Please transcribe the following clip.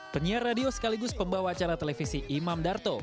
penyiar radio sekaligus pembawa acara televisi imam darto